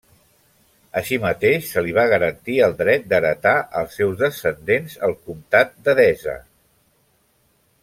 Així mateix, se li va garantir el dret d'heretar als seus descendents el Comtat d'Edessa.